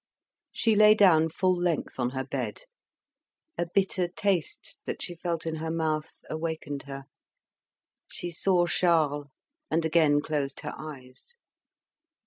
She lay down full length on her bed. A bitter taste that she felt in her mouth awakened her. She saw Charles, and again closed her eyes.